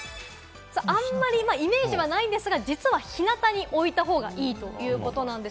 イメージはあんまりないんですが、実は日なたに置いた方がいいということなんです。